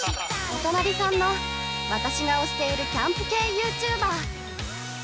◆お隣さんの、私が推しているキャンプ系ユーチューバー。